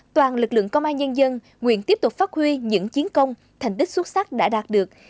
toàn lực lượng công an nhân dân nguyện tiếp tục phát huy những chiến công thành tích xuất sắc đã đạt được